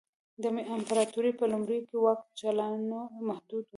د امپراتورۍ په لومړیو کې واک جالانو محدود و